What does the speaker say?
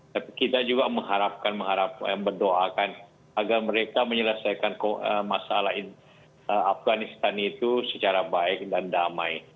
tapi kita juga mendoakan agar mereka menyelesaikan masalah afganistan itu secara baik dan damai